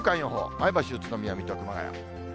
前橋、宇都宮、水戸、熊谷。